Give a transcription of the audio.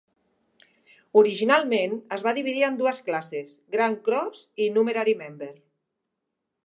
Originalment es va dividir en dues classes: "Grand Cross" i "Numerary Member".